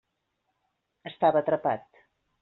Estava atrapat.